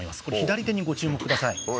これ左手にご注目ください。